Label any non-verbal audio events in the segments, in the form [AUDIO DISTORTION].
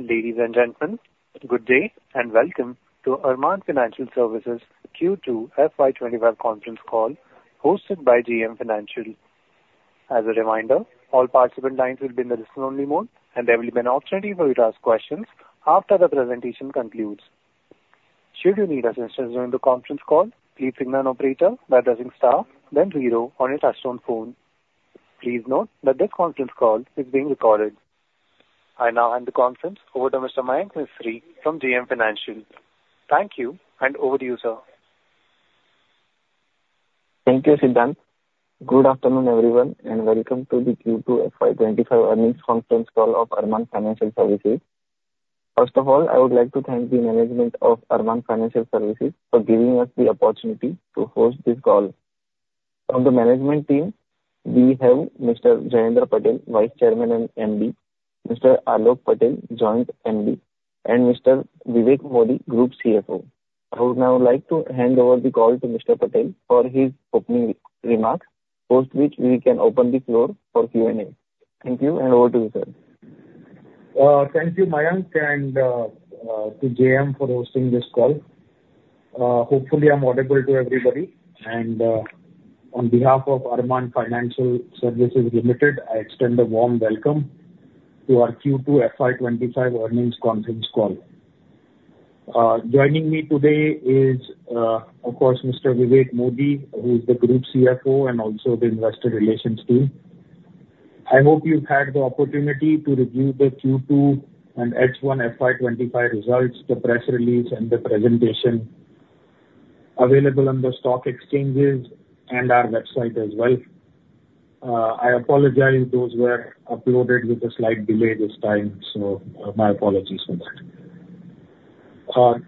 Ladies and gentlemen, good day and welcome to Arman Financial Services Q2 FY2025 conference call hosted by JM Financial. As a reminder, all participant lines will be in the listen-only mode, and there will be an opportunity for you to ask questions after the presentation concludes. Should you need assistance during the conference call, please press star, then zero on your touch tone phone. Please note that this conference call is being recorded. I now hand the conference over to Mr. Mayank Mistry from JM Financial. Thank you, and over to you, sir. Thank you, Sidharth. Good afternoon, everyone, and welcome to the Q2 FY2025 earnings conference call of Arman Financial Services. First of all, I would like to thank the management of Arman Financial Services for giving us the opportunity to host this call. From the management team, we have Mr. Jayendra Patel, Vice Chairman and MD, Mr. Aalok Patel, Joint MD, and Mr. Vivek Modi, Group CFO. I would now like to hand over the call to Mr. Patel for his opening remarks, post which we can open the floor for Q&A. Thank you, and over to you, sir. Thank you, Mayank, and to JM for hosting this call. Hopefully, I'm audible to everybody. And on behalf of Arman Financial Services Limited, I extend a warm welcome to our Q2 FY2025 earnings conference call. Joining me today is, of course, Mr. Vivek Modi, who is the Group CFO and also the investor relations team. I hope you've had the opportunity to review the Q2 and H1 FY2025 results, the press release, and the presentation available on the stock exchanges and our website as well. I apologize; those were uploaded with a slight delay this time, so my apologies for that.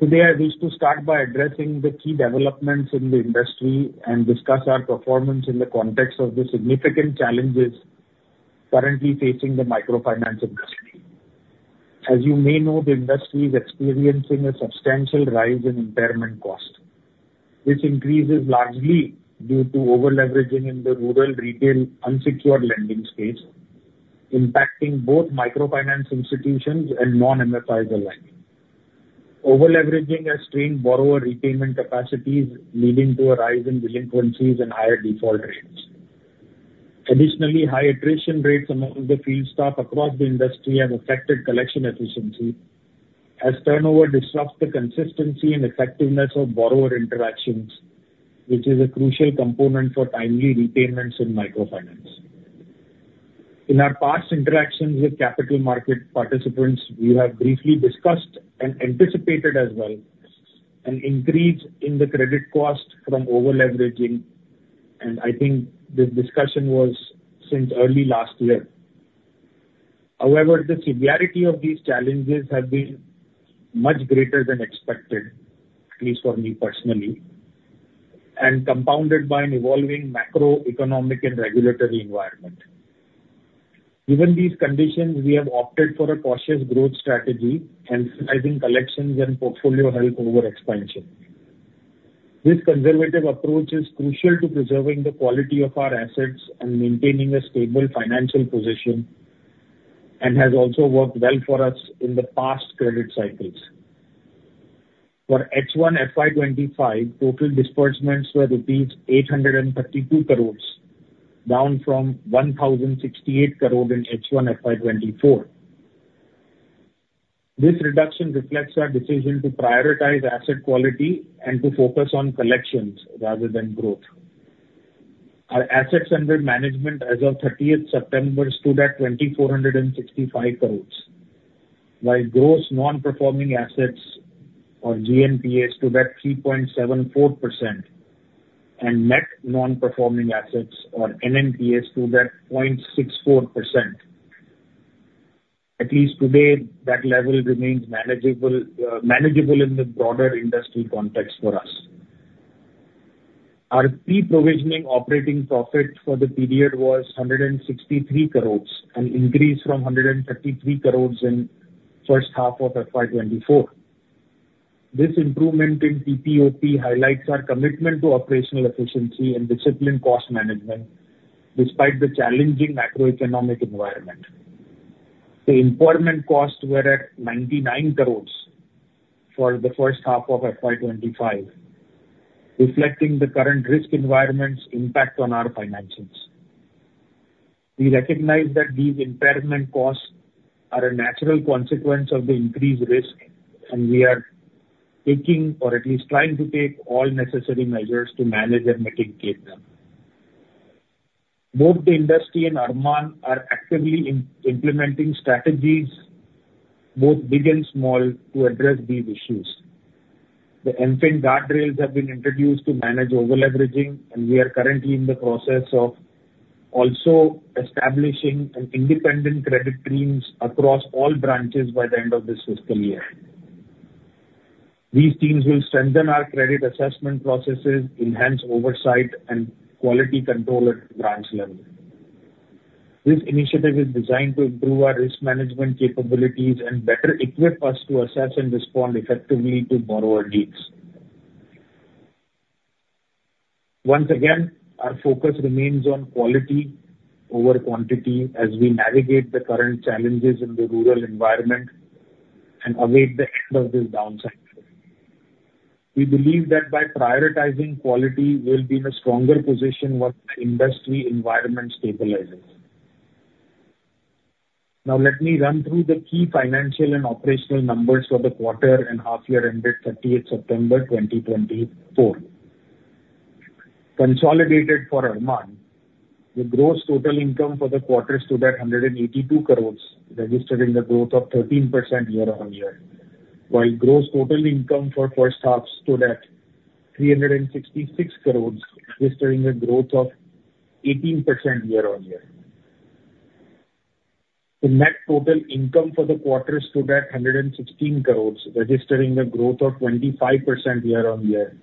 Today, I wish to start by addressing the key developments in the industry and discuss our performance in the context of the significant challenges currently facing the microfinance industry. As you may know, the industry is experiencing a substantial rise in impairment cost, which increases largely due to over leveraging in the rural retail unsecured lending space, impacting both microfinance institutions and non-MFIs alike. Over leveraging has strained borrower repayment capacities, leading to a rise in delinquencies and higher default rates. Additionally, high attrition rates among the field staff across the industry have affected collection efficiency, as turnover disrupts the consistency and effectiveness of borrower interactions, which is a crucial component for timely repayments in microfinance. In our past interactions with capital market participants, we have briefly discussed and anticipated as well an increase in the credit cost from over leveraging, and I think this discussion was since early last year. However, the severity of these challenges has been much greater than expected, at least for me personally, and compounded by an evolving macroeconomic and regulatory environment. Given these conditions, we have opted for a cautious growth strategy, emphasizing collections and portfolio health over expansion. This conservative approach is crucial to preserving the quality of our assets and maintaining a stable financial position, and has also worked well for us in the past credit cycles. For H1 FY2025, total disbursements were rupees 832 crore, down from 1,068 crore in H1 FY2024. This reduction reflects our decision to prioritize asset quality and to focus on collections rather than growth. Our assets under management as of 30th September stood at 2,465 crore, while gross non-performing assets or GNPA stood at 3.74% and net non-performing assets or NNPA stood at 0.64%. At least today, that level remains manageable in the broader industry context for us. Our pre-provisioning operating profit for the period was 163 crore, an increase from 133 crore in the first half of FY2024. This improvement in PPoP highlights our commitment to operational efficiency and disciplined cost management despite the challenging macroeconomic environment. The impairment costs were at 99 crore for the first half of FY2025, reflecting the current risk environment's impact on our finances. We recognize that these impairment costs are a natural consequence of the increased risk, and we are taking, or at least trying to take, all necessary measures to manage and mitigate them. Both the industry and Arman are actively implementing strategies, both big and small, to address these issues. The MFIN guardrails have been introduced to manage over leveraging, and we are currently in the process of also establishing independent credit teams across all branches by the end of this fiscal year. These teams will strengthen our credit assessment processes, enhance oversight, and quality control at the branch level. This initiative is designed to improve our risk management capabilities and better equip us to assess and respond effectively to borrower needs. Once again, our focus remains on quality over quantity as we navigate the current challenges in the rural environment and await the end of this downside. We believe that by prioritizing quality, we'll be in a stronger position once the industry environment stabilizes. Now, let me run through the key financial and operational numbers for the quarter and half-year ended 30th September 2024. Consolidated for Arman, the gross total income for the quarter stood at 182 crore, registering a growth of 13% year-on-year, while gross total income for first half stood at 366 crore, registering a growth of 18% year-on-year. The net total income for the quarter stood at 116 crore, registering a growth of 25% year-on-year,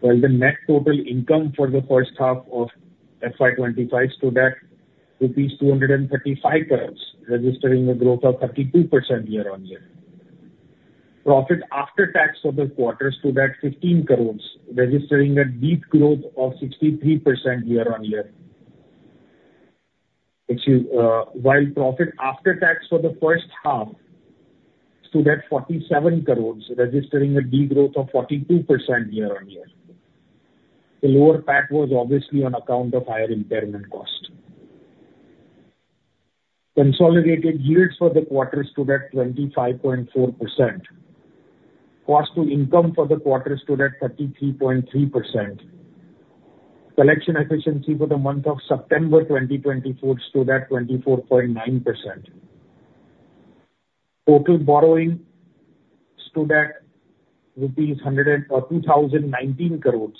while the net total income for the first half of FY2025 stood at 235 crore, registering a growth of 32% year-on-year. Profit after tax for the quarter stood at 15 crore, registering a steep growth of 63% year-on-year, while profit after tax for the first half stood at 47 crore, registering a degrowth of 42% year-on-year. The lower PAT was obviously on account of higher impairment cost. Consolidated yields for the quarter stood at 25.4%. Cost-to-income for the quarter stood at 33.3%. Collection efficiency for the month of September 2024 stood at 24.9%. Total borrowing stood at INR 2,019 crore,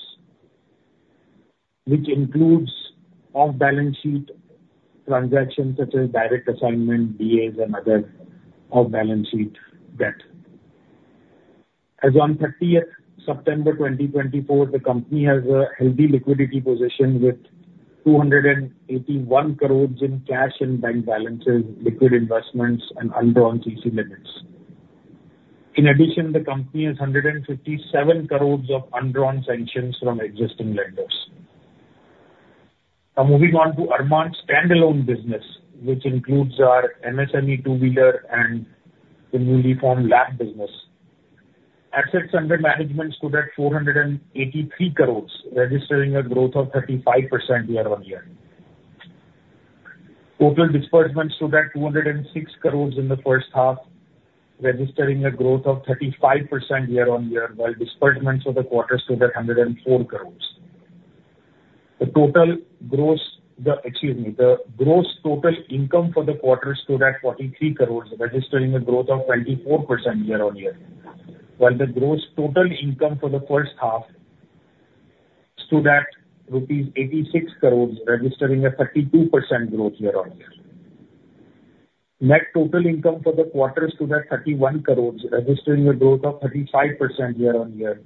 which includes off-balance sheet transactions such as direct assignment, DAs, and other off-balance sheet debt. As of 30 September 2024, the company has a healthy liquidity position with 281 crore in cash and bank balances, liquid investments, and undrawn CC limits. In addition, the company has 157 crore of underwriting sanctions from existing lenders. Now, moving on to Arman's standalone business, which includes our MSME two-wheeler and the newly formed LAP business. Assets under management stood at 483 crore, registering a growth of 35% year-on-year. Total disbursements stood at 206 crore in the first half, registering a growth of 35% year-on-year, while disbursements for the quarter stood at 104 crore. The gross total income for the quarter stood at 43 crore, registering a growth of 24% year-on-year, while the gross total income for the first half stood at rupees 86 crore, registering a 32% growth year-on-year. Net total income for the quarter stood at 31 crore, registering a growth of 35% year-on-year,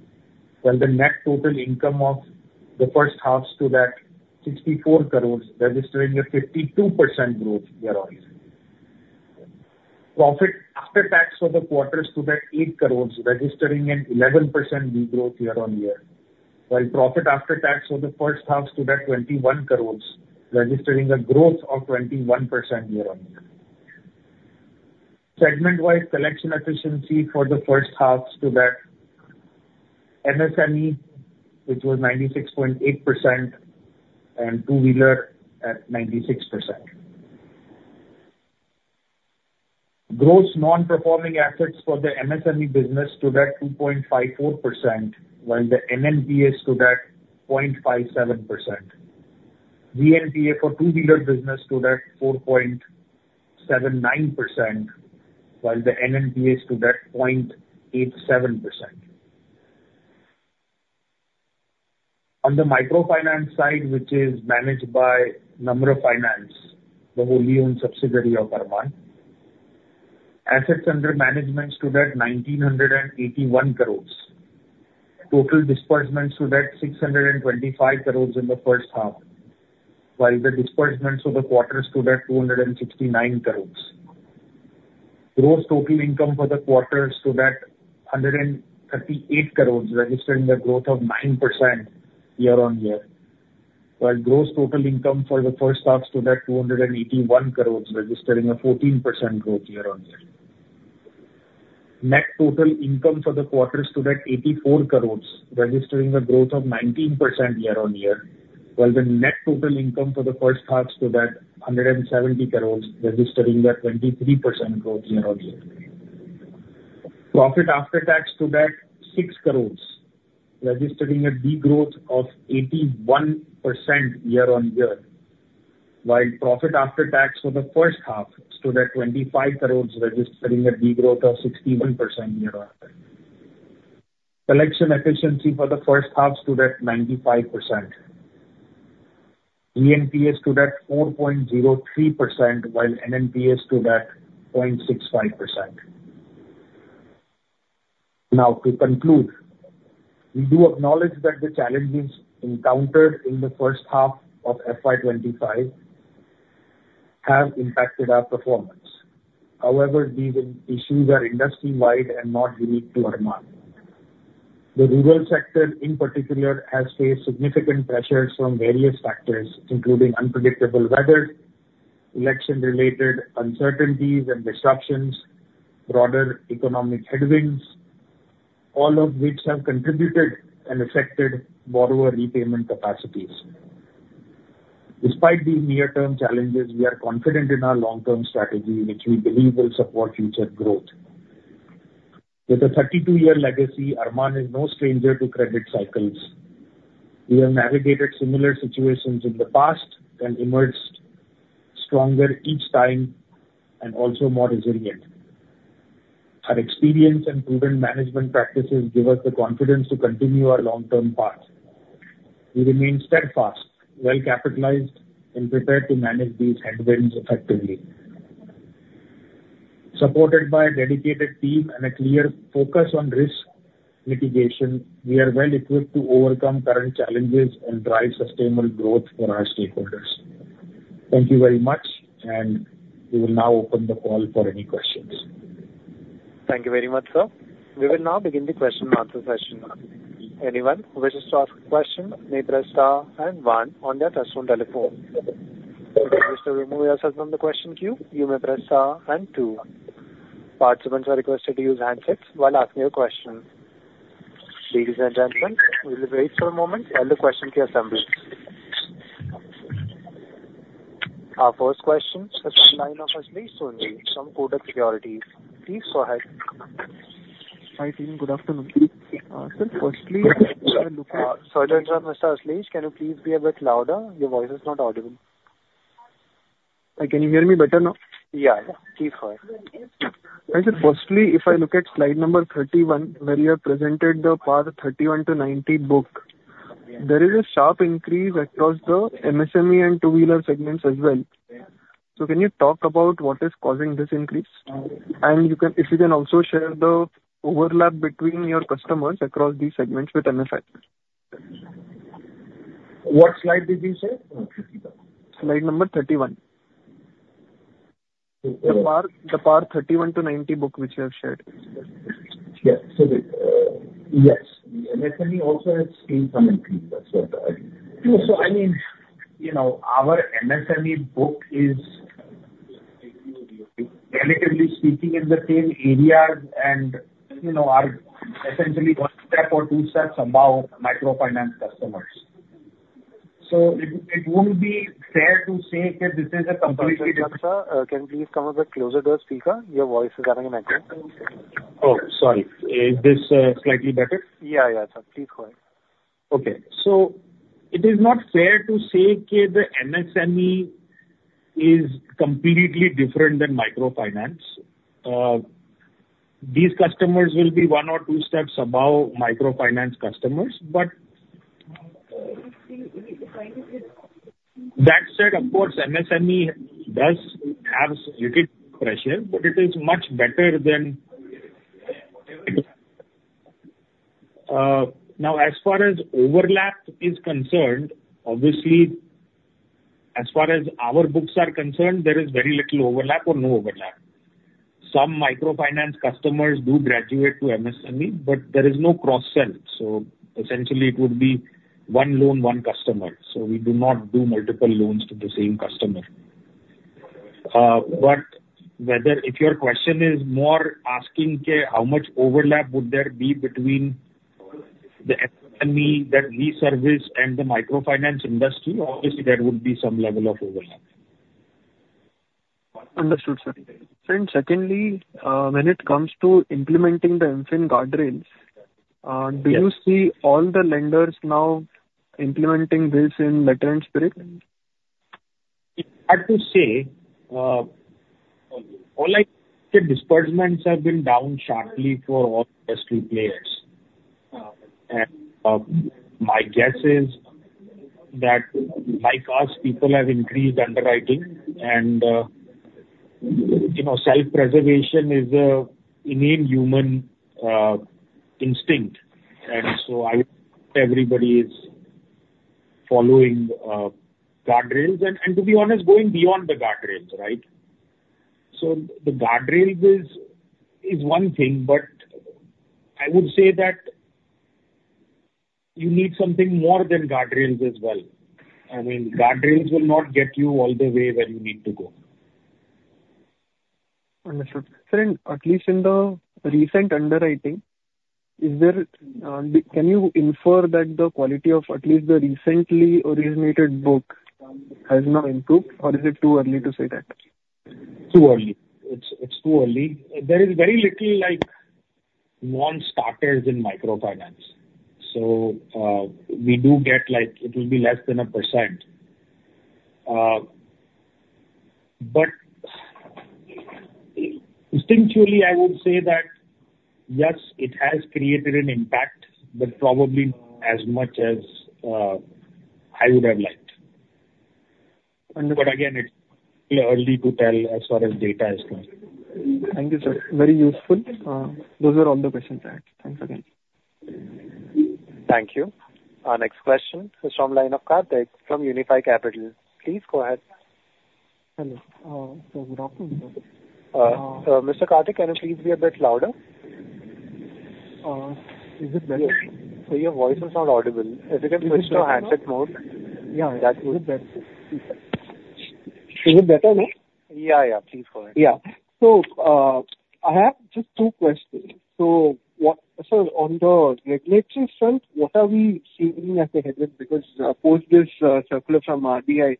while the net total income of the first half stood at 64 crore, registering a 52% growth year-on-year. Profit after tax for the quarter stood at 8 crore, registering an 11% degrowth year-on-year, while profit after tax for the first half stood at 21 crore, registering a growth of 21% year-on-year. Segment-wise, collection efficiency for the first half stood at MSME, which was 96.8%, and two-wheeler at 96%. Gross non-performing assets for the MSME business stood at 2.54%, while the NNPA stood at 0.57%. GNPA for two-wheeler business stood at 4.79%, while the NNPA stood at 0.87%. On the microfinance side, which is managed by Namra Finance, the wholly-owned subsidiary of Arman, assets under management stood at 1,981 crore. Total disbursements stood at 625 crore in the first half, while the disbursements for the quarter stood at 269 crore. Gross total income for the quarter stood at 138 crore, registering a growth of 9% year-on-year, while gross total income for the first half stood at 281 crore, registering a 14% growth year-on-year. Net total income for the quarter stood at 84 crore, registering a growth of 19% year-on-year, while the net total income for the first half stood at 170 crore, registering a 23% growth year-on-year. Profit after tax stood at 6 crore, registering a degrowth of 81% year-on-year, while profit after tax for the first half stood at 25 crore, registering a degrowth of 61% year-on-year. Collection efficiency for the first half stood at 95%. GNPA stood at 4.03%, while NNPA stood at 0.65%. Now, to conclude, we do acknowledge that the challenges encountered in the first half of FY2025 have impacted our performance. However, these issues are industry-wide and not unique to Arman. The rural sector, in particular, has faced significant pressures from various factors, including unpredictable weather, election-related uncertainties and disruptions, and broader economic headwinds, all of which have contributed and affected borrower repayment capacities. Despite these near-term challenges, we are confident in our long-term strategy, which we believe will support future growth. With a 32-year legacy, Arman is no stranger to credit cycles. We have navigated similar situations in the past and emerged stronger each time and also more resilient. Our experience and proven management practices give us the confidence to continue our long-term path. We remain steadfast, well-capitalized, and prepared to manage these headwinds effectively. Supported by a dedicated team and a clear focus on risk mitigation, we are well-equipped to overcome current challenges and drive sustainable growth for our stakeholders. Thank you very much, and we will now open the call for any questions. Thank you very much, sir. We will now begin the question-and-answer session. Anyone who wishes to ask a question may press star and one on their touchscreen telephone. If you wish to remove yourself from the question queue, you may press star and two. Participants are requested to use handsets while asking your question. Ladies and gentlemen, we'll wait for a moment while the question queue assembles. Our first question is from line of Ashlesh Sonje from Kotak Securities. Please go ahead. Hi team, good afternoon. Sir, firstly, if I look at— Sorry to interrupt, Ms. Ashlesh, can you please be a bit louder? Your voice is not audible. Can you hear me better now? Yeah, yeah. Please go ahead. Firstly, if I look at slide number 31, where you have presented the PAR 31-90 book, there is a sharp increase across the MSME and two-wheeler segments as well. So can you talk about what is causing this increase? And if you can also share the overlap between your customers across these segments with MFI. What slide did you say? Slide number 31. The PAR 31-90 book which you have shared. Yes. Yes. The MSME also has seen some increase. That's what I mean. So I mean, our MSME book is, relatively speaking, in the same area and are essentially one step or two steps above microfinance customers. So it won't be fair to say that this is a completely [CROSSTALK] Can you please come a bit closer to the speaker? [AUDIO DISTORTION] [CROSSTALK] So it is not fair to say that the MSME is completely different than microfinance. These customers will be one or two steps above microfinance customers, but that said, of course, MSME does have a little pressure, but it is much better than. Now, as far as overlap is concerned, obviously, as far as our books are concerned, there is very little overlap or no overlap. Some microfinance customers do graduate to MSME, but there is no cross-sell. So essentially, it would be one loan, one customer. So we do not do multiple loans to the same customer. But if your question is more asking how much overlap would there be between the MSME that we service and the microfinance industry, obviously, there would be some level of overlap. Understood, sir. And secondly, when it comes to implementing the MFIN guardrails, do you see all the lenders now implementing this in letter and spirit? It's hard to say. All I can say, disbursements have been down sharply for all industry players. And my guess is that, like us, people have increased underwriting, and self-preservation is an inhuman instinct. And so I would say everybody is following guardrails and, to be honest, going beyond the guardrails, right? So the guardrails is one thing, but I would say that you need something more than guardrails as well. I mean, guardrails will not get you all the way where you need to go. Understood. Sir, and at least in the recent underwriting, can you infer that the quality of at least the recently originated book has now improved, or is it too early to say that? Too early. It's too early. There is very little non-starters in microfinance. So we do get it will be less than 1%. But instinctually, I would say that, yes, it has created an impact, but probably not as much as I would have liked. But again, it's too early to tell as far as data is concerned. Thank you, sir. Very useful. Those were all the questions I had. Thanks again. Thank you. Our next question is from line of Karthik from Unifi Capital. Please go ahead. Hello. So good afternoon, sir. Mr. Karthik, can you please be a bit louder? Is it better? Yes. So your voice is not audible. If you can switch to handset mode. Yeah, that's good. Is it better? Is it better now? Yeah, yeah. Please go ahead. Yeah. So I have just two questions. So on the regulatory front, what are we seeing as a headwind? Because I've heard this circular from RBI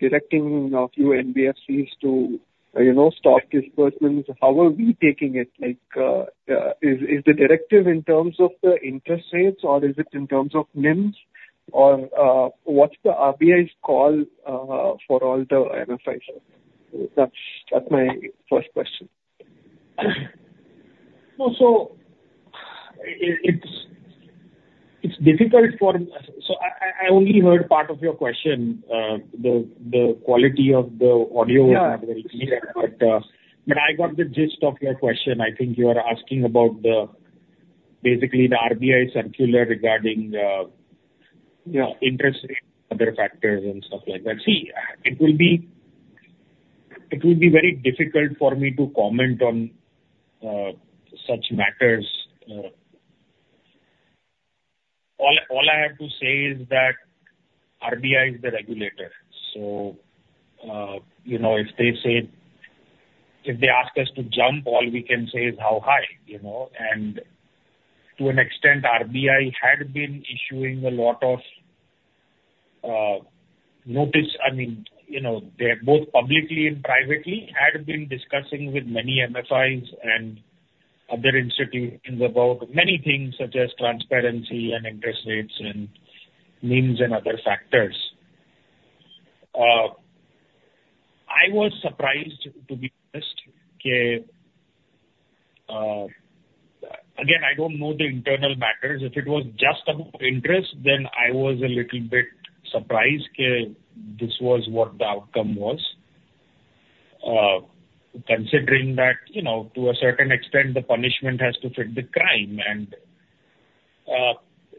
directing a few NBFCs to stop disbursements. How are we taking it? Is the directive in terms of the interest rates, or is it in terms of NIMS? Or what's the RBI's call for all the MFIs? That's my first question. So I only heard part of your question. The quality of the audio was not very clear, but I got the gist of your question. I think you are asking about basically the RBI circular regarding interest rates and other factors and stuff like that. See, it will be very difficult for me to comment on such matters. All I have to say is that RBI is the regulator. So if they ask us to jump, all we can say is how high, and to an extent, RBI had been issuing a lot of notices. I mean, they have both publicly and privately had been discussing with many MFIs and other institutions about many things such as transparency and interest rates and NIMS and other factors. I was surprised, to be honest. Again, I don't know the internal matters. If it was just about interest, then I was a little bit surprised this was what the outcome was, considering that to a certain extent, the punishment has to fit the crime, and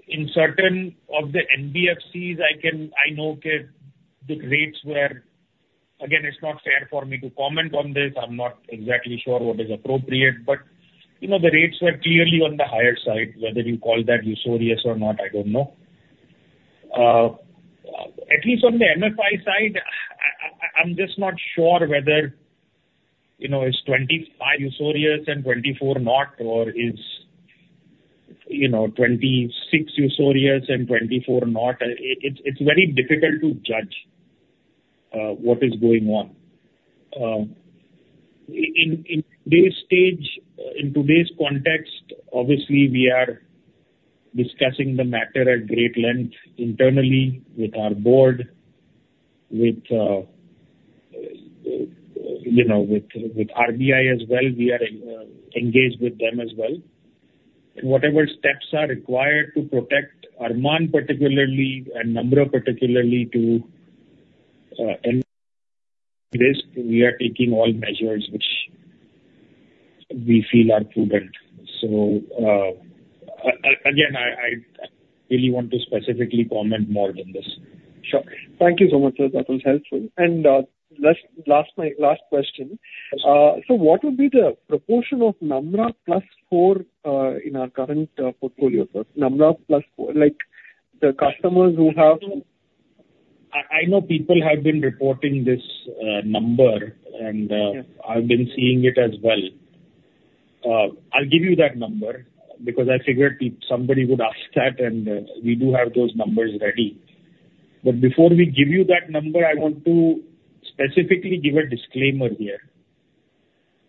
in certain of the NBFCs, I know the rates were, again, it's not fair for me to comment on this. I'm not exactly sure what is appropriate, but the rates were clearly on the higher side. Whether you call that usurious or not, I don't know. At least on the MFI side, I'm just not sure whether it's 2025 usurious and 2024 not, or it's 2026 usurious and 2024 not. It's very difficult to judge what is going on. In today's stage, in today's context, obviously, we are discussing the matter at great length internally with our board, with RBI as well. We are engaged with them as well. Whatever steps are required to protect Arman particularly and Namra particularly to end this risk, we are taking all measures which we feel are prudent. So again, I really want to specifically comment more than this. Sure. Thank you so much, sir. That was helpful. And last question. So what would be the proportion of Namra plus four in our current portfolio, sir? Namra plus four, the customers who have— I know people have been reporting this number, and I've been seeing it as well. I'll give you that number because I figured somebody would ask that, and we do have those numbers ready. But before we give you that number, I want to specifically give a disclaimer here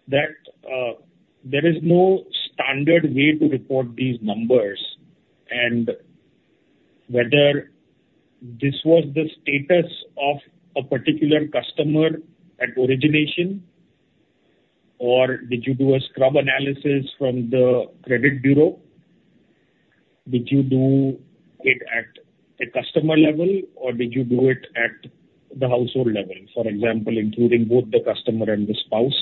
that there is no standard way to report these numbers. And whether this was the status of a particular customer at origination, or did you do a scrub analysis from the credit bureau? Did you do it at the customer level, or did you do it at the household level? For example, including both the customer and the spouse.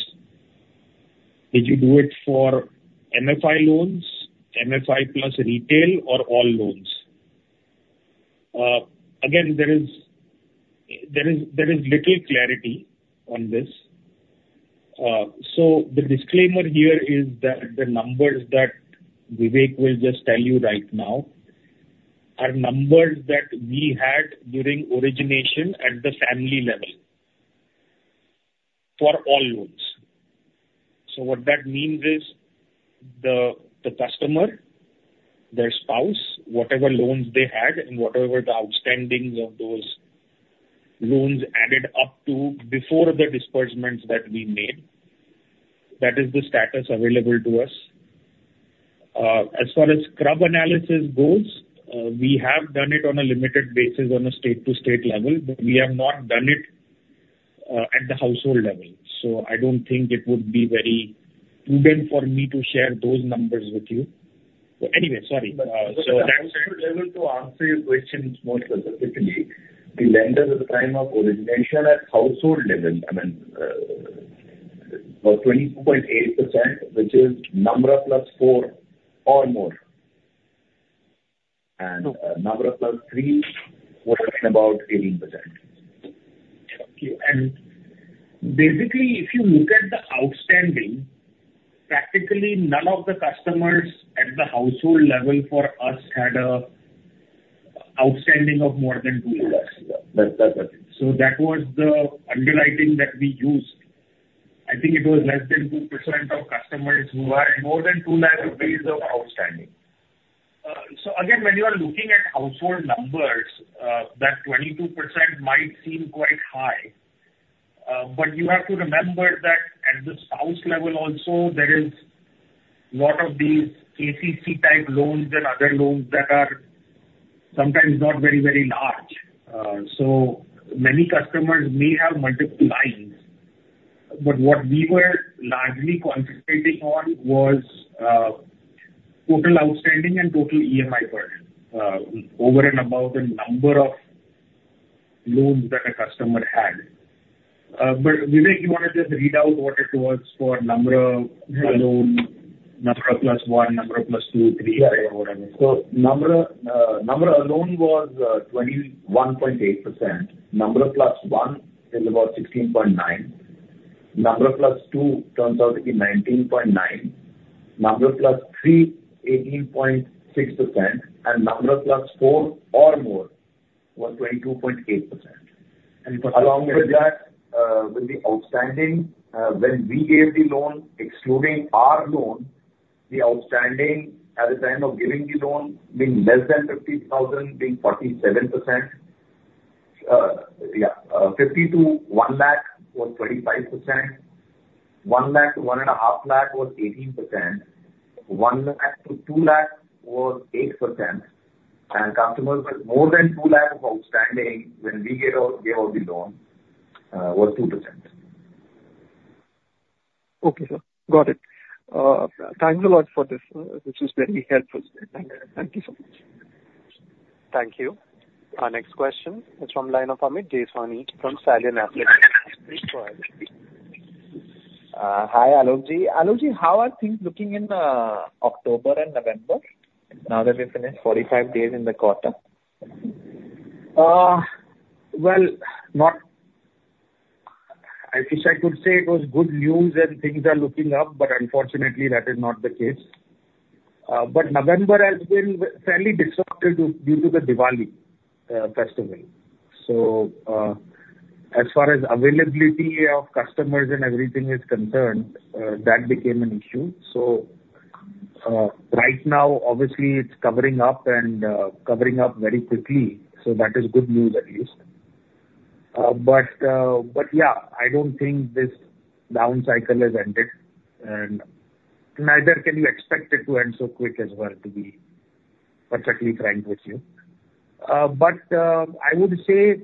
Did you do it for MFI loans, MFI plus retail, or all loans? Again, there is little clarity on this. So the disclaimer here is that the numbers that Vivek will just tell you right now are numbers that we had during origination at the family level for all loans. So what that means is the customer, their spouse, whatever loans they had, and whatever the outstanding of those loans added up to before the disbursements that we made, that is the status available to us. As far as scrub analysis goes, we have done it on a limited basis on a state-to-state level, but we have not done it at the household level. So I don't think it would be very prudent for me to share those numbers with you. But anyway, sorry. So that's. I was able to answer your question more specifically. The lenders at the time of origination at household level, I mean, about 22.8%, which is Namra plus four or more, and Namra plus three, we're talking about 18%. And basically, if you look at the outstanding, practically none of the customers at the household level for us had an outstanding of more than 2 lakhs. So that was the underwriting that we used. I think it was less than 2% of customers who had more than 2 lakh rupees of outstanding. So again, when you are looking at household numbers, that 22% might seem quite high. But you have to remember that at the spouse level also, there is a lot of these KCC-type loans and other loans that are sometimes not very, very large. So many customers may have multiple lines. But what we were largely concentrating on was total outstanding and total EMI burden over and above the number of loans that a customer had. But Vivek, you want to just read out what it was for Namra plus 1, Namra plus 2, 3, or whatever. Namra alone was 21.8%. Namra plus 1 is about 16.9%. Namra plus 2 turns out to be 19.9%. Namra plus 3, 18.6%. And Namra plus 4 or more was 22.8%. And along with that, with the outstanding, when we gave the loan, excluding our loan, the outstanding at the time of giving the loan being less than 50,000, being 47%. Yeah. 50,000 to 1 lakh was 25%. 1 lakh-1.5 lakh was 18%. 1 lakh-2 lakh was 8%. And customers with more than 2 lakh of outstanding when we gave out the loan was 2%. Okay, sir. Got it. Thanks a lot for this. This was very helpful. Thank you so much. Thank you. Our next question is from the line of Amit Jeswani from Stallion Asset. Please go ahead. Hi, Aalokji. Aalokji, how are things looking in October and November now that we finished 45 days in the quarter? I wish I could say it was good news and things are looking up, but unfortunately, that is not the case. November has been fairly disruptive due to the Diwali festival. As far as availability of customers and everything is concerned, that became an issue. Right now, obviously, it's covering up and covering up very quickly. That is good news at least. Yeah, I don't think this down cycle has ended. Neither can you expect it to end so quick as well to be perfectly frank with you. I would say,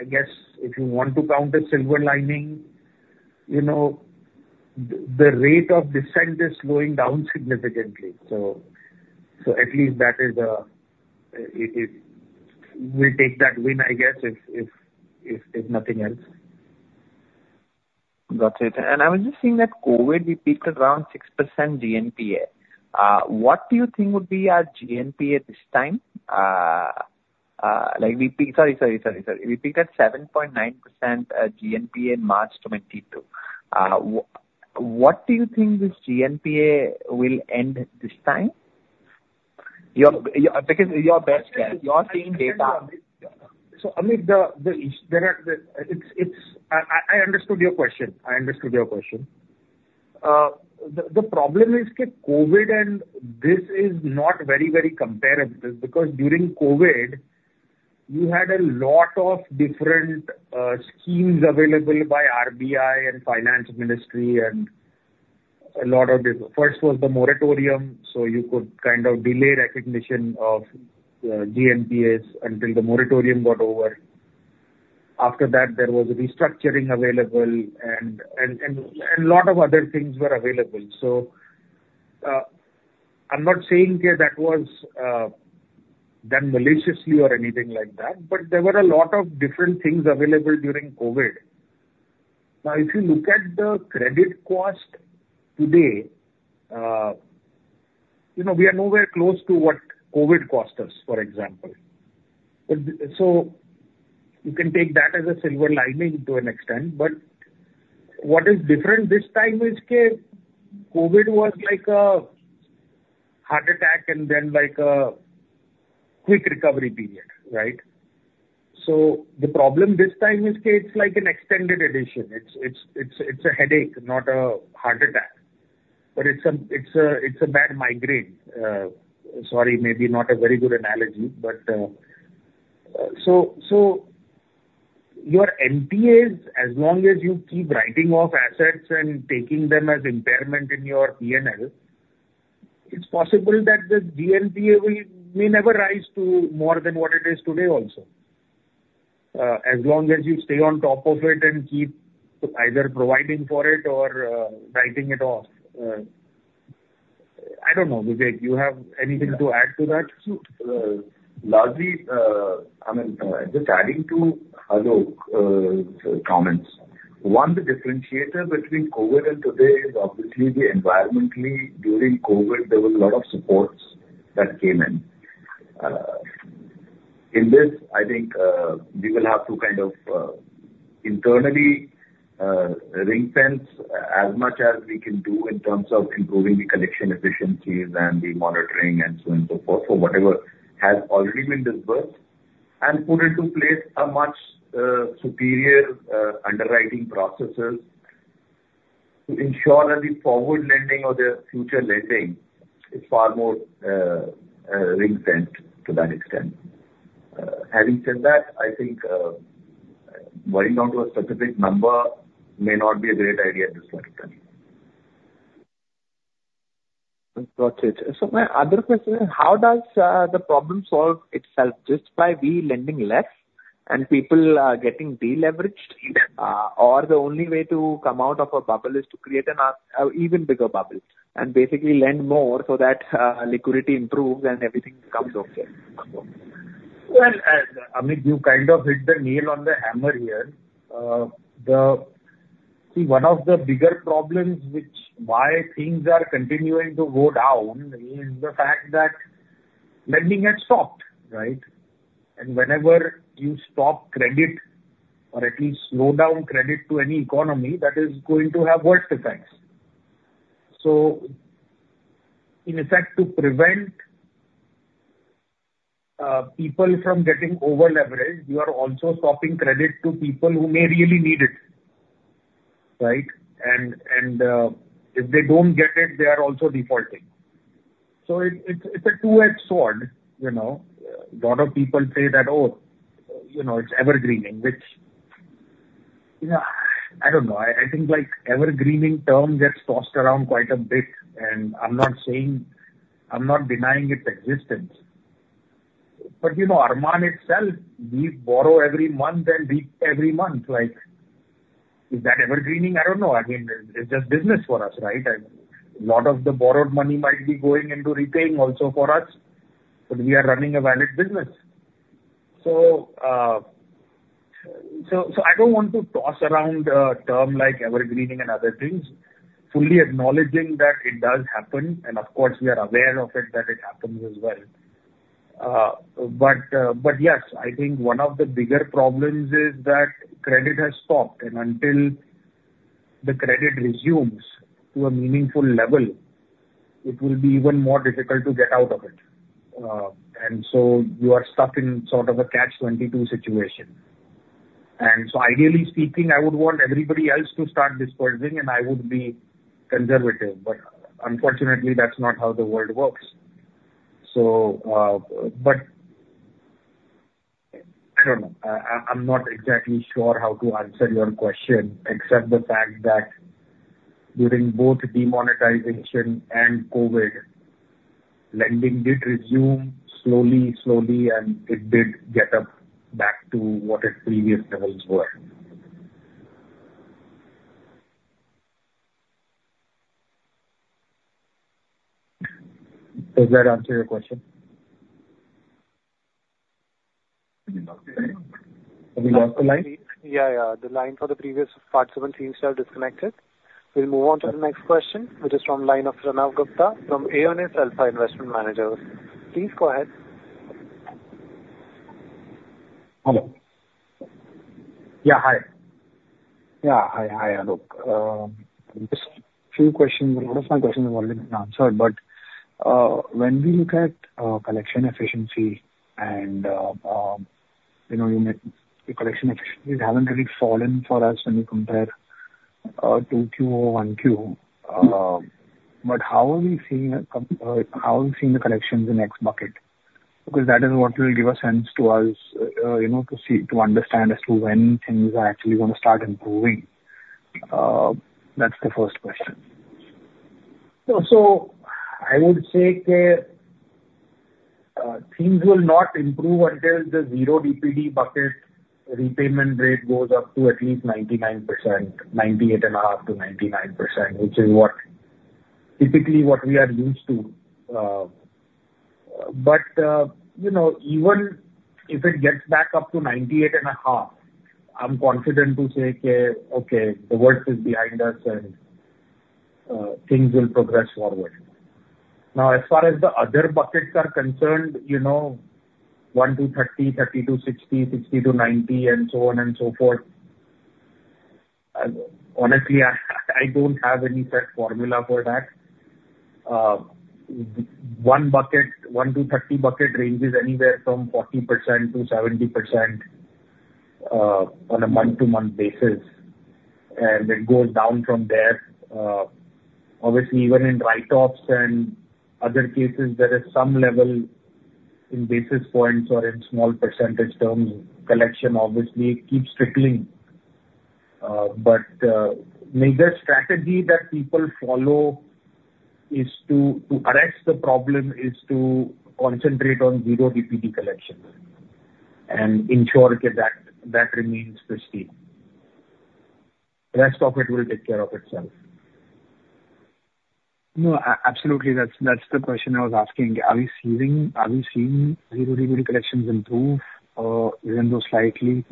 I guess if you want to count the silver lining, the rate of descent is slowing down significantly. At least that is a win. We'll take that win, I guess, if nothing else. Got it. And I was just seeing that COVID, we peaked around 6% GNPA. What do you think would be our GNPA this time? Sorry, sorry, sorry, sorry. We peaked at 7.9% GNPA in March 2022. What do you think this GNPA will end this time? Because you're best. You're seeing data. So Amit, I understood your question. I understood your question. The problem is that COVID and this is not very, very comparable because during COVID, you had a lot of different schemes available by RBI and Finance Ministry and a lot of different. First was the moratorium, so you could kind of delay recognition of GNPAs until the moratorium got over. After that, there was restructuring available and a lot of other things were available. I'm not saying that that was done maliciously or anything like that, but there were a lot of different things available during COVID. Now, if you look at the credit cost today, we are nowhere close to what COVID cost us, for example. You can take that as a silver lining to an extent. But what is different this time is that COVID was like a heart attack and then like a quick recovery period, right? The problem this time is that it's like an extended edition. It's a headache, not a heart attack. But it's a bad migraine. Sorry, maybe not a very good analogy. Your NPAs, as long as you keep writing off assets and taking them as impairment in your P&L, it's possible that the GNPA may never rise to more than what it is today also. As long as you stay on top of it and keep either providing for it or writing it off. I don't know, Vivek, you have anything to add to that? I mean, just adding to Aalok's comments. One, the differentiator between COVID and today is obviously the environment. During COVID, there were a lot of supports that came in. In this, I think we will have to kind of internally ring-fence as much as we can do in terms of improving the collection efficiencies and the monitoring and so on and so forth for whatever has already been disbursed and put into place a much superior underwriting processes to ensure that the forward lending or the future lending is far more ring-fenced to that extent. Having said that, I think going down to a specific number may not be a great idea at this point in time. Got it. So my other question is, how does the problem solve itself just by we lending less and people getting deleveraged? Or the only way to come out of a bubble is to create an even bigger bubble and basically lend more so that liquidity improves and everything becomes okay? Well, Amit, you kind of hit the nail on the hammer here. See, one of the bigger problems which why things are continuing to go down is the fact that lending has stopped, right? And whenever you stop credit or at least slow down credit to any economy, that is going to have worse effects. So in effect, to prevent people from getting overleveraged, you are also stopping credit to people who may really need it, right? And if they don't get it, they are also defaulting. So it's a two-edged sword. A lot of people say that, "Oh, it's evergreening," which I don't know. I think evergreening term gets tossed around quite a bit. And I'm not saying I'm not denying its existence. But Arman itself, we borrow every month and repay every month. Is that evergreening? I don't know. I mean, it's just business for us, right? A lot of the borrowed money might be going into repaying also for us, but we are running a valid business. So I don't want to toss around a term like evergreening and other things, fully acknowledging that it does happen. And of course, we are aware of it that it happens as well. But yes, I think one of the bigger problems is that credit has stopped. And until the credit resumes to a meaningful level, it will be even more difficult to get out of it. And so you are stuck in sort of a catch-22 situation. And so ideally speaking, I would want everybody else to start disbursing, and I would be conservative. But unfortunately, that's not how the world works. But I don't know. I'm not exactly sure how to answer your question, except the fact that during both demonetization and COVID, lending did resume slowly, slowly, and it did get up back to what its previous levels were. Does that answer your question? Have you lost the line? Yeah, yeah. The line for the previous parts of the screenshot disconnected. We'll move on to the next question, which is from line of Pranav Gupta from Aionios Alpha Investment Management. Please go ahead. Hello. Yeah, hi. Yeah, hi, Aalok. Just a few questions. A lot of my questions have already been answered. But when we look at collection efficiency and you mentioned collection efficiency hasn't really fallen for us when we compare 2Q or 1Q. But how are we seeing the collections in X-bucket? Because that is what will give a sense to us to understand as to when things are actually going to start improving. That's the first question. So I would say that things will not improve until the zero DPD bucket repayment rate goes up to at least 99%, 98.5%-99%, which is typically what we are used to. But even if it gets back up to 98.5, I'm confident to say, "Okay, the work is behind us and things will progress forward." Now, as far as the other buckets are concerned, 1 to 30, 30 to 60, 60 to 90, and so on and so forth, honestly, I don't have any set formula for that. 1 to 30 bucket ranges anywhere from 40%-70% on a month-to-month basis. And it goes down from there. Obviously, even in write-offs and other cases, there is some level in basis points or in small percentage terms. Collection, obviously, keeps trickling. But maybe a strategy that people follow is to arrest the problem is to concentrate on zero DPD collections and ensure that that remains pristine. The rest of it will take care of itself. No, absolutely. That's the question I was asking. Are we seeing zero DPD collections improve or even though slightly?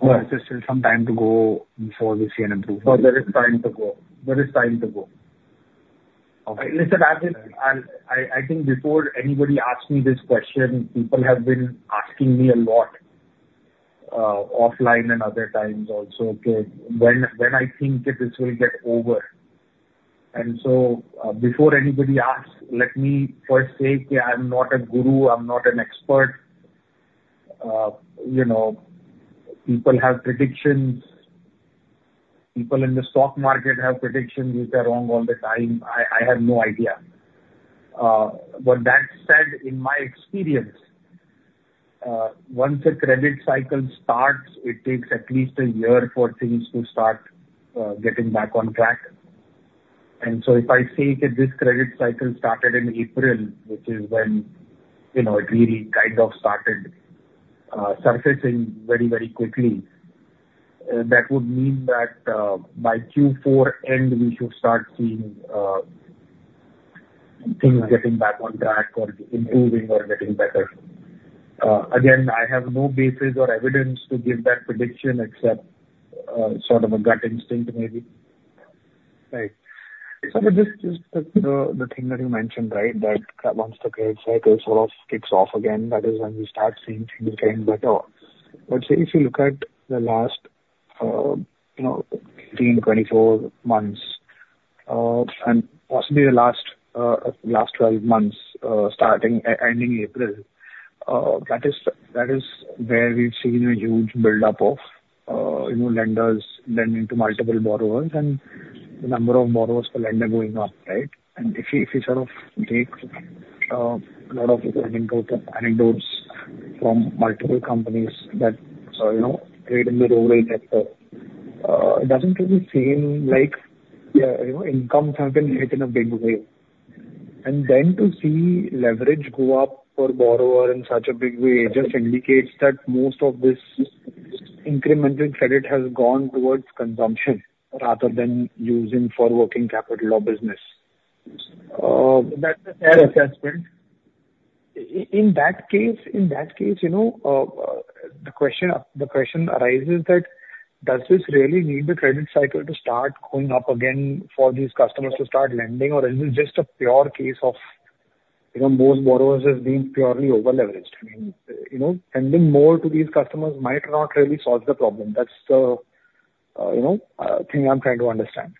Or is there still some time to go before we see an improvement? There is time to go. There is time to go. Listen, I think before anybody asked me this question, people have been asking me a lot offline and other times also when I think that this will get over. And so before anybody asks, let me first say that I'm not a guru. I'm not an expert. People have predictions. People in the stock market have predictions. These are wrong all the time. I have no idea. But that said, in my experience, once a credit cycle starts, it takes at least a year for things to start getting back on track. And so if I say that this credit cycle started in April, which is when it really kind of started surfacing very, very quickly, that would mean that by Q4 end, we should start seeing things getting back on track or improving or getting better. Again, I have no basis or evidence to give that prediction except sort of a gut instinct maybe. Right. So just the thing that you mentioned, right, that once the credit cycle sort of kicks off again, that is when we start seeing things getting better. But say if you look at the last 18, 24 months and possibly the last 12 months ending April, that is where we've seen a huge buildup of lenders lending to multiple borrowers and the number of borrowers per lender going up, right? And if you sort of take a lot of anecdotes from multiple companies that trade in the road sector, it doesn't really seem like incomes have been hit in a big way. And then to see leverage go up per borrower in such a big way just indicates that most of this incremental credit has gone towards consumption rather than using for working capital or business. That's a fair assessment. In that case, the question arises that does this really need the credit cycle to start going up again for these customers to start lending, or is this just a pure case of most borrowers being purely overleveraged? I mean, lending more to these customers might not really solve the problem. That's the thing I'm trying to understand.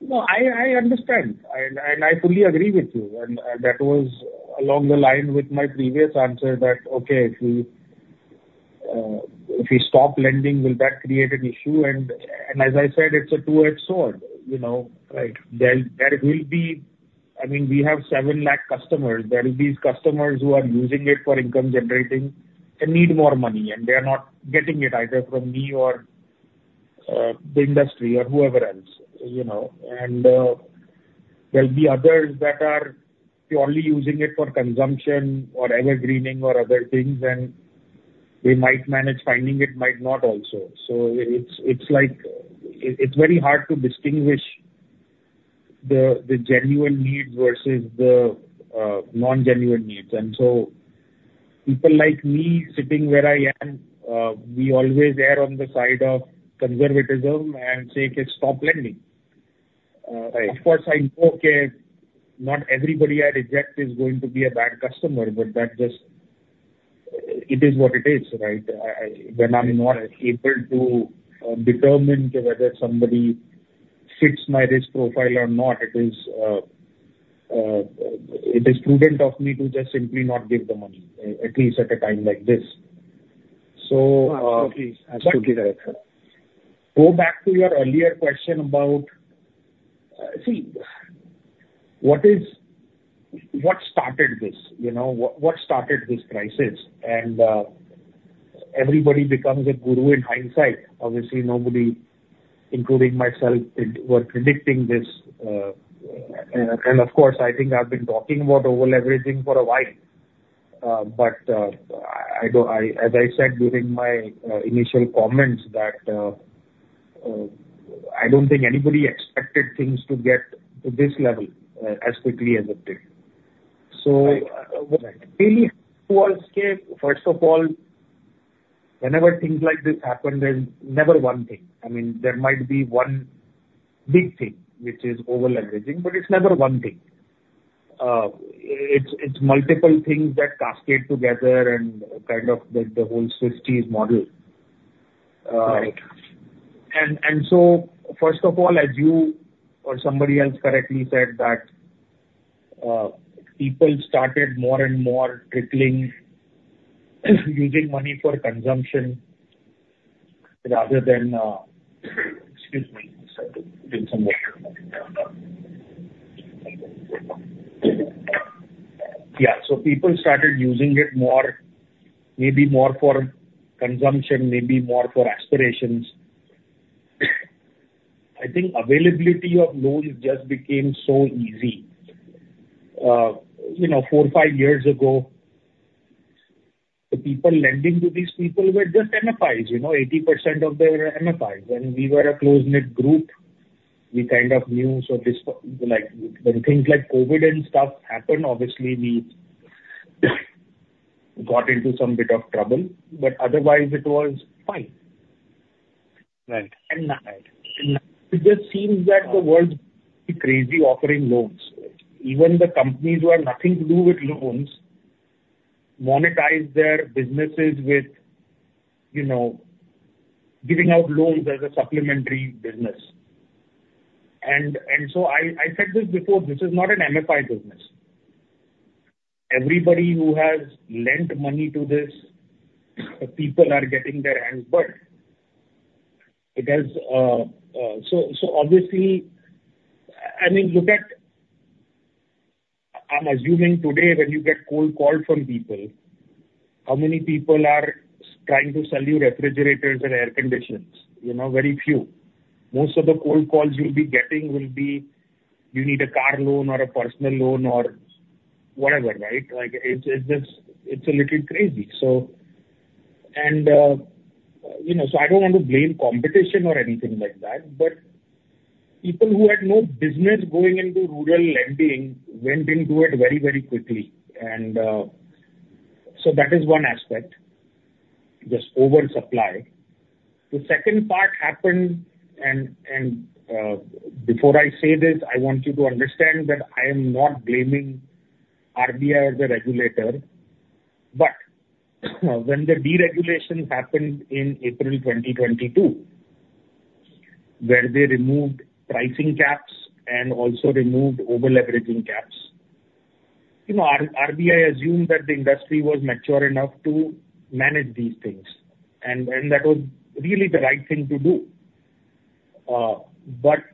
No, I understand. And I fully agree with you. And that was along the line with my previous answer that, okay, if we stop lending, will that create an issue? And as I said, it's a two-edged sword. There will be, I mean, we have 7 lakh customers. There will be these customers who are using it for income generating and need more money. And they are not getting it either from me or the industry or whoever else. And there will be others that are purely using it for consumption or evergreening or other things, and they might manage finding it, might not also. So it's very hard to distinguish the genuine needs versus the non-genuine needs. And so people like me sitting where I am, we always err on the side of conservatism and say, "Okay, stop lending." Of course, I know not everybody I reject is going to be a bad customer, but it is what it is, right? When I'm not able to determine whether somebody fits my risk profile or not, it is prudent of me to just simply not give the money, at least at a time like this. So go back to your earlier question about, see, what started this? What started this crisis? And everybody becomes a guru in hindsight. Obviously, nobody, including myself, were predicting this. Of course, I think I've been talking about overleveraging for a while. As I said during my initial comments, I don't think anybody expected things to get to this level as quickly as it did. Really, who else came? First of all, whenever things like this happen, there's never one thing. I mean, there might be one big thing, which is overleveraging, but it's never one thing. It's multiple things that cascade together and kind of the whole Swiss Cheese model. So first of all, as you or somebody else correctly said, that people started more and more trickling, using money for consumption rather than, excuse me. Yeah. People started using it maybe more for consumption, maybe more for aspirations. I think availability of loans just became so easy. Four, five years ago, the people lending to these people were just MFIs. 80% of them were MFIs. We were a close-knit group. We kind of knew. So when things like COVID and stuff happened, obviously, we got into some bit of trouble. But otherwise, it was fine. And it just seems that the world is crazy offering loans. Even the companies who have nothing to do with loans monetize their businesses with giving out loans as a supplementary business. And so I said this before. This is not an MFI business. Everybody who has lent money to this, people are getting their hands dirty. So obviously, I mean, look at, I'm assuming today, when you get cold calls from people, how many people are trying to sell you refrigerators and air conditioners? Very few. Most of the cold calls you'll be getting will be, "You need a car loan or a personal loan or whatever," right? It's a little crazy. I don't want to blame competition or anything like that. But people who had no business going into rural lending went into it very, very quickly. And so that is one aspect, just oversupply. The second part happened, and before I say this, I want you to understand that I am not blaming RBI as the regulator. But when the deregulation happened in April 2022, where they removed pricing caps and also removed overleveraging caps, RBI assumed that the industry was mature enough to manage these things. And that was really the right thing to do. But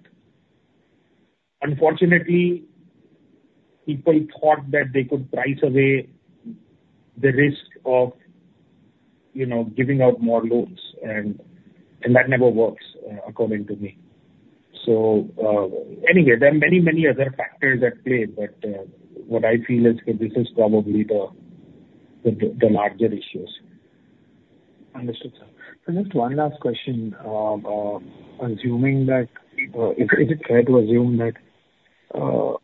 unfortunately, people thought that they could price away the risk of giving out more loans. And that never works, according to me. So anyway, there are many, many other factors at play. But what I feel is that this is probably the larger issues. Understood. Just one last question. Assuming that—is it fair to assume that given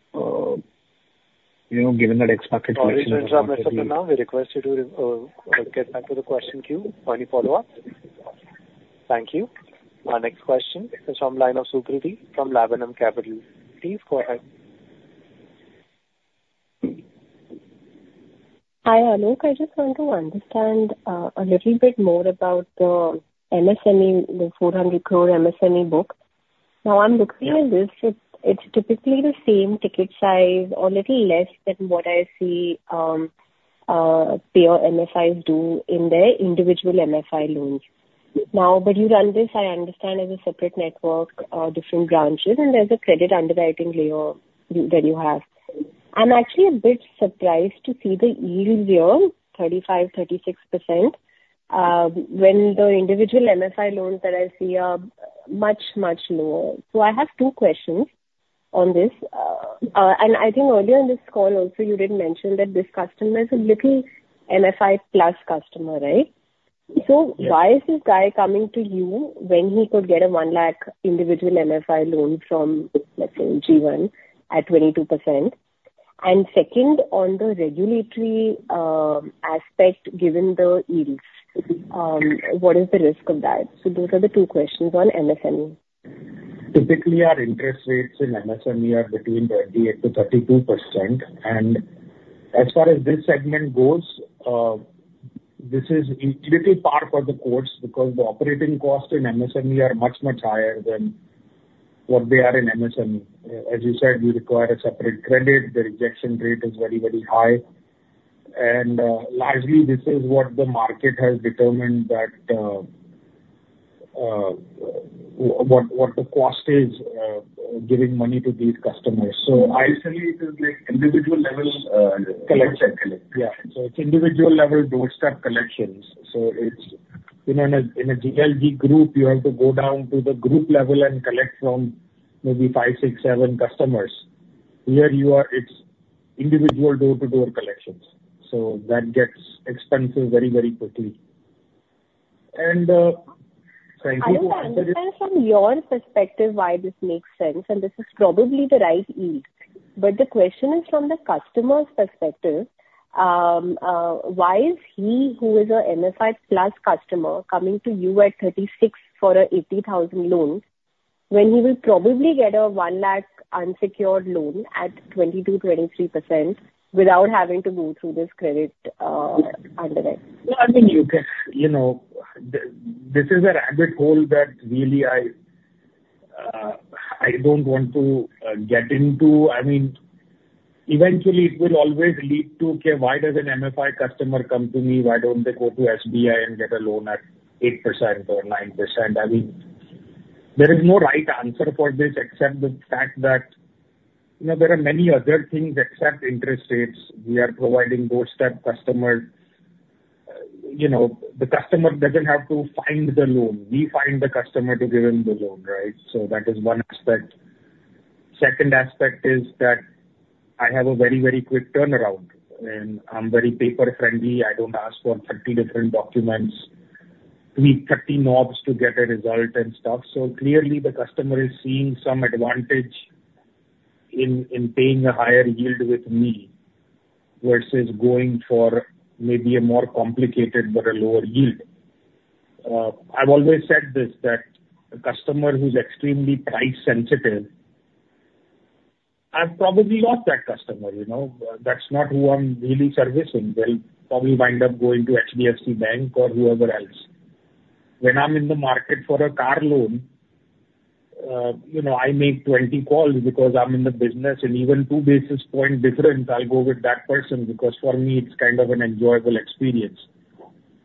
that X-bucket collection— Thank you, Mr. Pranav. We request you to get back to the question queue. Any follow-up? Thank you. Our next question is from line of Sukriti from Laburnum Capital. Please go ahead. Hi, Aalok. I just want to understand a little bit more about the MSME, the 400 crore MSME book. Now, I'm looking at this. It's typically the same ticket size or a little less than what I see pure MFIs do in their individual MFI loans. Now, when you run this, I understand as a separate network, different branches, and there's a credit underwriting layer that you have. I'm actually a bit surprised to see the yield here, 35%-36%, when the individual MFI loans that I see are much, much lower. So I have two questions on this. And I think earlier in this call, also, you did mention that this customer is a little MFI plus customer, right? So why is this guy coming to you when he could get a 1 lakh individual MFI loan from, let's say, Ujjivan at 22%? And second, on the regulatory aspect, given the yields, what is the risk of that? So those are the two questions on MSME. Typically, our interest rates in MSME are between 28%-32%. And as far as this segment goes, this is a little par for the course because the operating costs in MSME are much, much higher than what they are in MSME. As you said, we require a separate credit. The rejection rate is very, very high. And largely, this is what the market has determined that what the cost is giving money to these customers. I'll say it is individual level collection. Yeah. It's individual level doorstep collections. In a JLG group, you have to go down to the group level and collect from maybe five, six, seven customers. Here, it's individual door-to-door collections. That gets expensive very, very quickly. Thank you. I understand from your perspective why this makes sense. This is probably the right yield. The question is from the customer's perspective. Why is he, who is an MFI plus customer, coming to you at 36% for an 80,000 loan when he will probably get a 1 lakh unsecured loan at 22%-23% without having to go through this credit underwriting? I mean, this is a rabbit hole that really I don't want to get into. I mean, eventually, it will always lead to, okay, why does an MFI customer come to me? Why don't they go to SBI and get a loan at 8% or 9%? I mean, there is no right answer for this except the fact that there are many other things except interest rates. We are providing doorstep customers. The customer doesn't have to find the loan. We find the customer to give him the loan, right? So that is one aspect. Second aspect is that I have a very, very quick turnaround. And I'm very paper-friendly. I don't ask for 30 different documents, tweak 30 knobs to get a result and stuff. So clearly, the customer is seeing some advantage in paying a higher yield with me versus going for maybe a more complicated but a lower yield. I've always said this that a customer who's extremely price-sensitive, I've probably lost that customer. That's not who I'm really servicing. They'll probably wind up going to HDFC Bank or whoever else. When I'm in the market for a car loan, I make 20 calls because I'm in the business, and even two basis points different, I'll go with that person because for me, it's kind of an enjoyable experience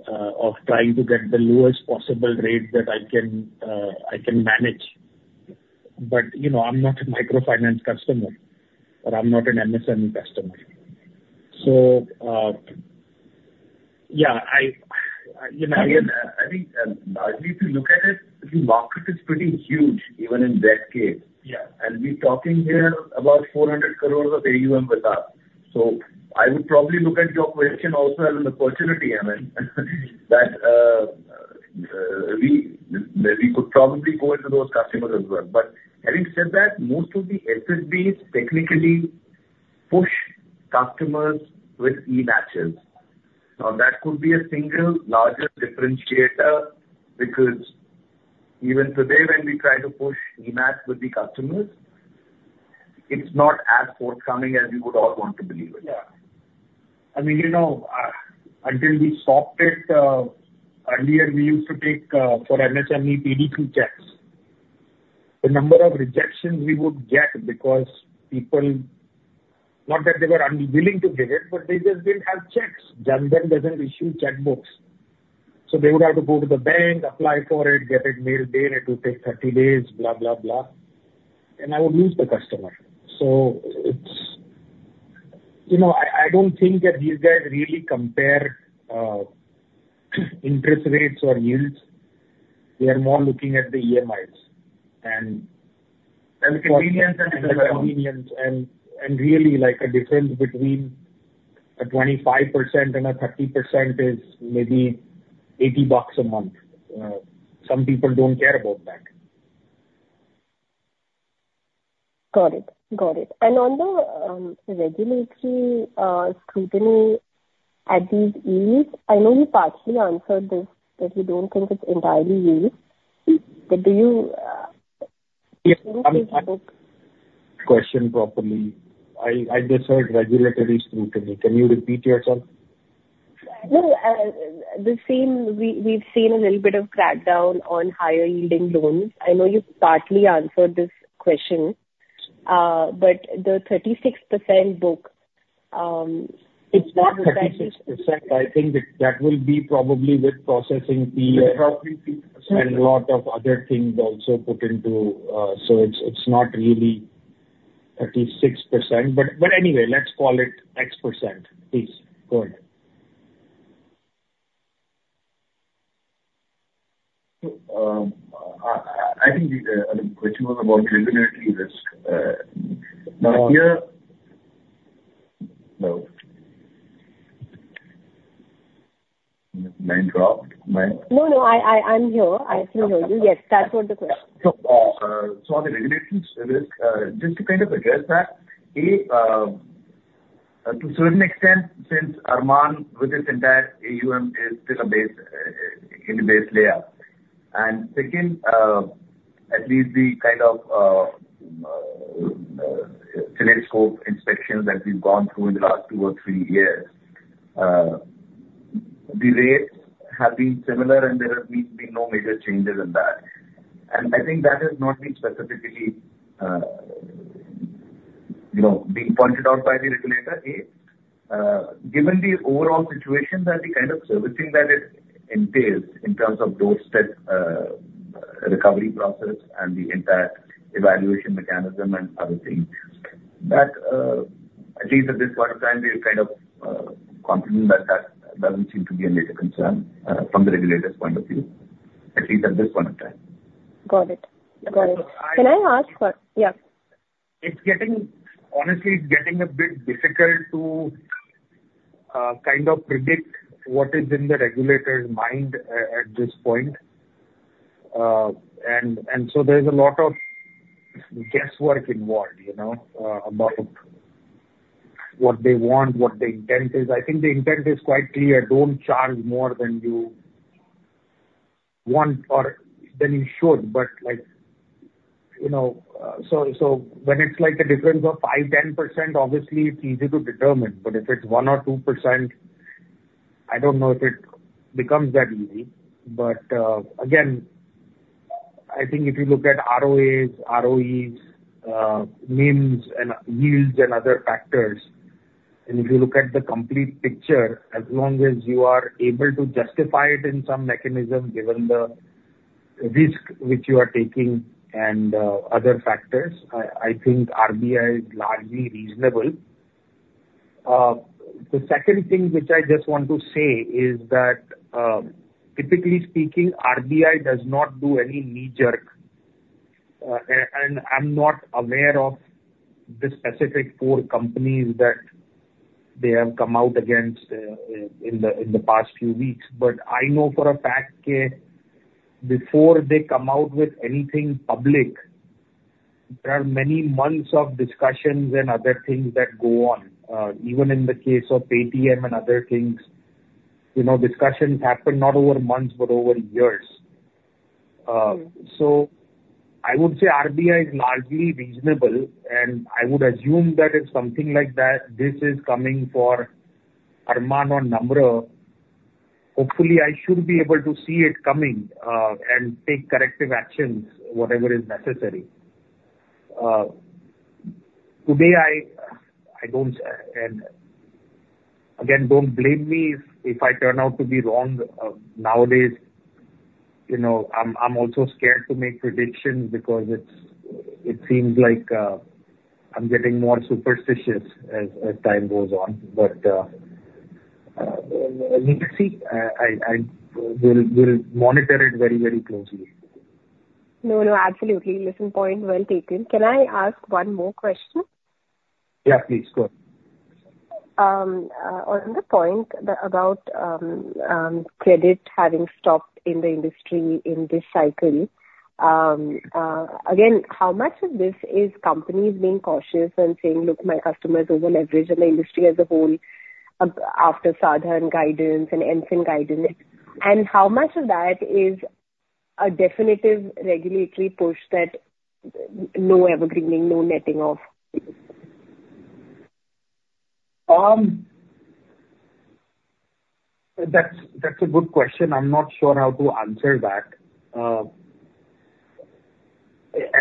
of trying to get the lowest possible rate that I can manage. But I'm not a microfinance customer, or I'm not an MSME customer. So yeah, I mean, if you look at it, the market is pretty huge even in that case, and we're talking here about 400 crore of AUM with us. I would probably look at your question also on the opportunity, I mean, that we could probably go into those customers as well, but having said that, most of the SFBs technically push customers with e-NACH. Now, that could be a single larger differentiator because even today, when we try to push e-NACH with the customers, it's not as forthcoming as we would all want to believe it. Yeah. I mean, until we stopped it earlier, we used to take for MSME PDC cheques. The number of rejections we would get because people, not that they were unwilling to give it, but they just didn't have cheques. Jan Dhan doesn't issue chequebooks. So they would have to go to the bank, apply for it, get it mailed in. It would take 30 days, blah, blah, blah. And I would lose the customer. So I don't think that these guys really compare interest rates or yields. They are more looking at the EMIs. And the convenience and the convenience. And really, a difference between a 25% and a 30% is maybe 80 bucks a month. Some people don't care about that. Got it. Got it. And on the regulatory scrutiny at these yields, I know you partially answered this that you don't think it's entirely yield. But do you think that. Yes. I mean, question properly. I just heard regulatory scrutiny. Can you repeat yourself? No. We've seen a little bit of crackdown on higher yielding loans. I know you partly answered this question. But the 36% book, it's not. It's not 36%. I think that will be probably with processing fee and a lot of other things also put into. So it's not really 36%. But anyway, let's call it X%. Please. Go ahead. I think the question was about regulatory risk. Now, here. No. Line dropped. Line? No, no. I'm here. I can hear you. Yes. That was the question. So on the regulatory risk, just to kind of address that, to a certain extent, since Arman with its entire AUM is still in the base layer. And second, at least the kind of telescopic inspection that we've gone through in the last two or three years, the rates have been similar, and there have been no major changes in that. And I think that has not been specifically being pointed out by the regulator. Given the overall situation that the kind of servicing that it entails in terms of doorstep recovery process and the entire evaluation mechanism and other things, at least at this point in time, we're kind of confident that that doesn't seem to be a major concern from the regulator's point of view, at least at this point in time. Got it. Got it. Can I ask for— Yeah. Honestly, it's getting a bit difficult to kind of predict what is in the regulator's mind at this point, and so there's a lot of guesswork involved about what they want, what the intent is. I think the intent is quite clear. Don't charge more than you want or than you should, but so when it's like a difference of 5%-10%, obviously, it's easy to determine, but if it's 1% or 2%, I don't know if it becomes that easy, but again, I think if you look at ROAs, ROEs, NIMs, and yields and other factors, and if you look at the complete picture, as long as you are able to justify it in some mechanism given the risk which you are taking and other factors, I think RBI is largely reasonable. The second thing which I just want to say is that, typically speaking, RBI does not do any knee-jerk, and I'm not aware of the specific four companies that they have come out against in the past few weeks, but I know for a fact before they come out with anything public, there are many months of discussions and other things that go on. Even in the case of Paytm and other things, discussions happen not over months but over years, so I would say RBI is largely reasonable, and I would assume that if something like that, this is coming for Arman or Namra, hopefully, I should be able to see it coming and take corrective actions, whatever is necessary. Today, I don't, and again, don't blame me if I turn out to be wrong. Nowadays, I'm also scared to make predictions because it seems like I'm getting more superstitious as time goes on. But we'll see. We'll monitor it very, very closely. No, no. Absolutely. Listen, point well taken. Can I ask one more question? Yeah, please. Go ahead. On the point about credit having stopped in the industry in this cycle, again, how much of this is companies being cautious and saying, "Look, my customer is over-leveraged," and the industry as a whole after SBI guidance and RBI guidance? And how much of that is a definitive regulatory push that no evergreening, no netting off? That's a good question. I'm not sure how to answer that.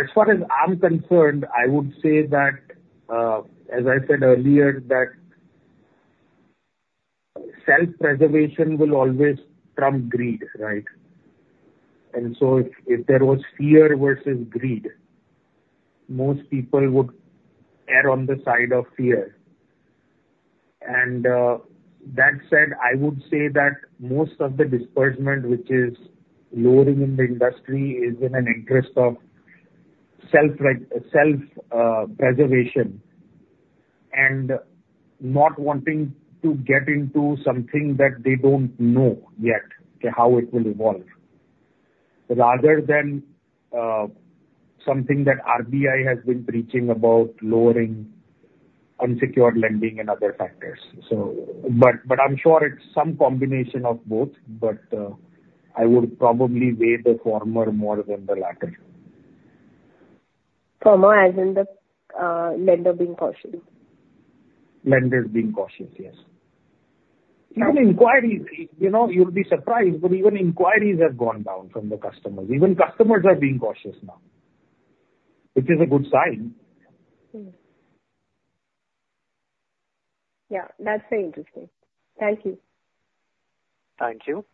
As far as I'm concerned, I would say that, as I said earlier, that self-preservation will always trump greed, right? And so if there was fear versus greed, most people would err on the side of fear. And that said, I would say that most of the disbursement which is lowering in the industry is in an interest of self-preservation and not wanting to get into something that they don't know yet how it will evolve, rather than something that RBI has been preaching about lowering unsecured lending and other factors. But I'm sure it's some combination of both. But I would probably weigh the former more than the latter. Former as in the lender being cautious? Lenders being cautious, yes. Even inquiries, you'll be surprised, but even inquiries have gone down from the customers. Even customers are being cautious now, which is a good sign. Yeah. That's very interesting. Thank you. Thank you.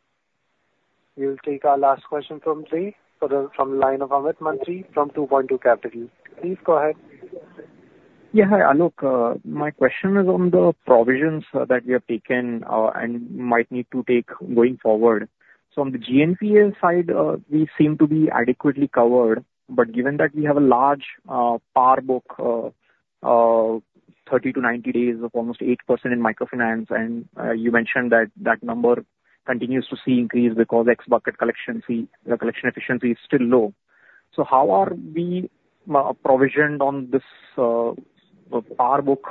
We'll take our last question from the line of Amit Mantri from 2Point2 Capital. Please go ahead. Yeah. Hi, Aalok. My question is on the provisions that we have taken and might need to take going forward. So on the GNPA side, we seem to be adequately covered. But given that we have a large PAR book, 30 to 90 days of almost 8% in microfinance, and you mentioned that that number continues to see increase because X-bucket collection, the collection efficiency is still low. So how are we provisioned on this PAR book,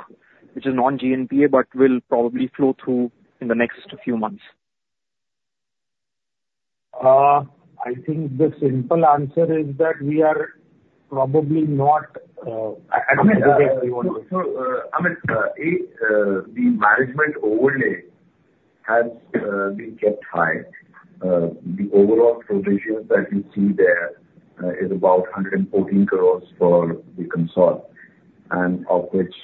which is non-GNPA but will probably flow through in the next few months? I think the simple answer is that we are probably not. I mean, the management overlay has been kept high. The overall provision that you see there is about 114 crore for the consolidated, and of which,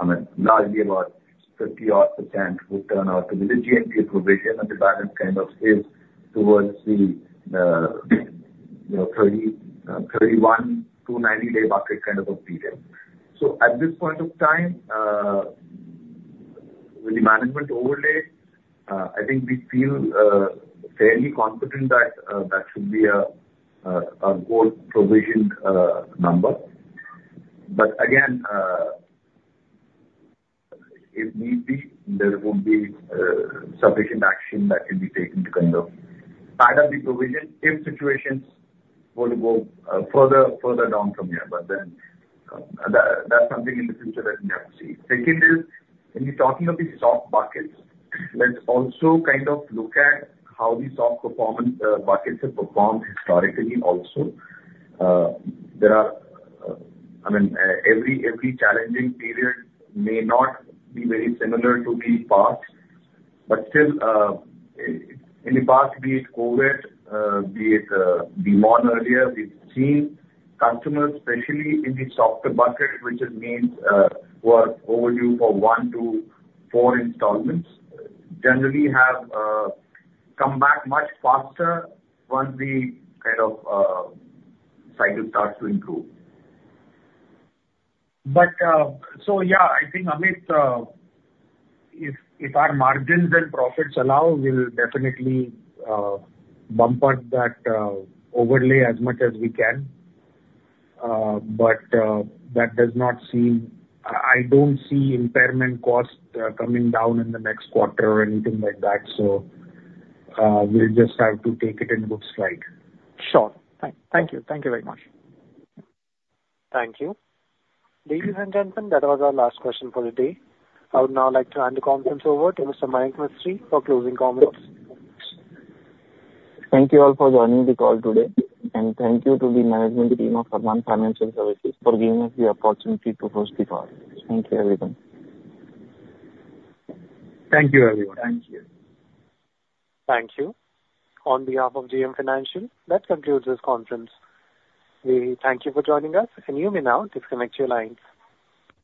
I mean, largely about 50-odd% would turn out to be the GNPA provision. And the balance kind of stays towards the 31-90-day bucket kind of a period. So at this point of time, with the management overlay, I think we feel fairly confident that that should be our board provisioned number. But again, if need be, there would be sufficient action that can be taken to kind of pad up the provision if situations were to go further down from here. But then that's something in the future that we have to see. Second is, when we're talking of these soft buckets, let's also kind of look at how these soft performance buckets have performed historically also. I mean, every challenging period may not be very similar to the past. But still, in the past, be it COVID, be it demonetization earlier, we've seen customers, especially in the softer bucket, which has meant who are overdue for one to four installments, generally have come back much faster once the kind of cycle starts to improve. But so yeah, I think Amit, if our margins and profits allow, we'll definitely bump up that overlay as much as we can. But that does not seem, I don't see impairment cost coming down in the next quarter or anything like that. So we'll just have to take it in good stride. Sure. Thank you. Thank you very much. Thank you. Ladies and gentlemen, that was our last question for the day. I would now like to hand the conference over to Mr. Mayank Mistry for closing comments. Thank you all for joining the call today. Thank you to the management team of Arman Financial Services for giving us the opportunity to host the call. Thank you, everyone. Thank you, everyone. Thank you. Thank you. On behalf of JM Financial, that concludes this conference. We thank you for joining us, and you may now disconnect your lines.